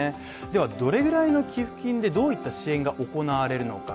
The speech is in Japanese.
では、どれぐらいの寄付金でどういった支援が行われるのか。